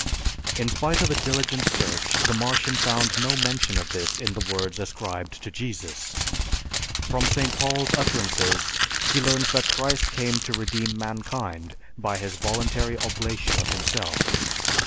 In spite of a diligent search the Martian found no mention of this in the words ascribed to Jesus. From St. Paul's utterances he learns that Christ came to redeem mankind by his voluntary oblation of himself.